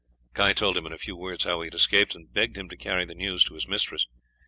Guy told him in a few words how he had escaped, and begged him to carry the news to his mistress.